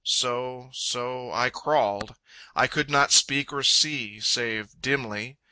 So, so, I crawled. I could not speak or see Save dimly.